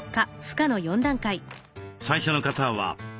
最初の方は。